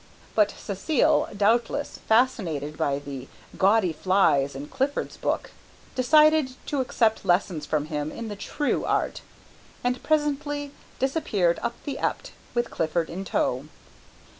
But Cécile, doubtless fascinated by the gaudy flies in Clifford's book, decided to accept lessons from him in the true art, and presently disappeared up the Ept with Clifford in tow.